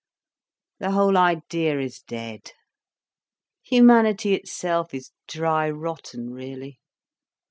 "The whole idea is dead. Humanity itself is dry rotten, really.